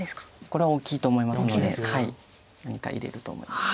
これは大きいと思いますので何か入れると思います。